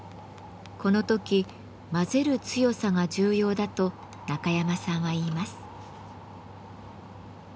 この時混ぜる強さが重要だと中山さんはいいます。